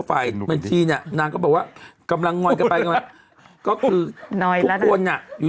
คนนี้เขาเล่าข่าวนะคนนั้นก็หน่อยอยู่